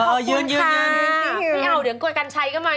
โอ้ยยืนสิคุณค่ะพีเอาเดี๋ยวโกยกันใช้กับเม้า